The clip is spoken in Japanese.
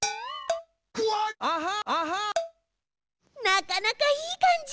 なかなかいい感じ。